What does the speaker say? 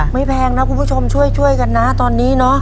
แพงนะคุณผู้ชมช่วยกันนะตอนนี้เนอะ